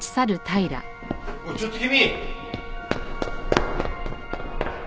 おいちょっと君。